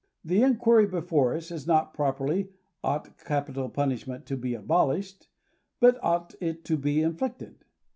The inquiry before us is not properly, ouglft capital punishment to be abolished ?— but ought it to be inflicted